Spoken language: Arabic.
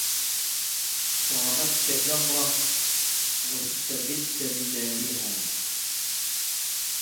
صرمتك جمرة واستبد بدارها